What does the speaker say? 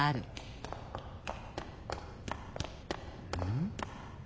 ん？